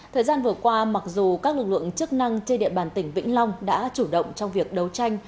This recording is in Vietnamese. thời gian vừa qua mặc dù các lực lượng chức năng trên địa bàn tỉnh vĩnh long đã chủ động trong việc đấu tranh